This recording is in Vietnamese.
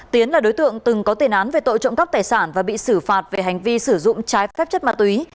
tiến là đối tượng từng có tiền án về tội trộm cắp tài sản và bị xử phạt về hành vi sử dụng trái phép chất ma túy